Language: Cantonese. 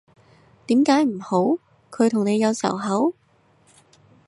點解唔好，佢同你有仇口？